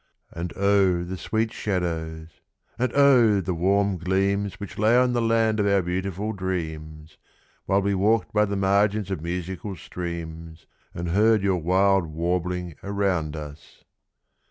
And oh, the sweet shadows! And oh, the warm gleams Which lay on the land of our beautiful dreams, While we walked by the margins of musical streams And heard your wild warbling around us!